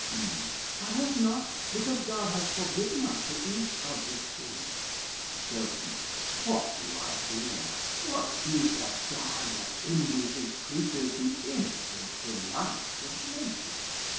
"Eve. I have not, because God has forbidden us to eat of this tree. "Serp. What do I hear! What is that God that envies his creatures the innocent delights of nature?